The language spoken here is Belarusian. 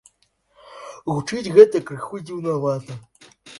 Гучыць гэта крыху дзіўнавата.